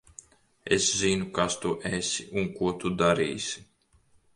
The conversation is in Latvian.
Es zinu, kas tu esi un ko tu darīsi.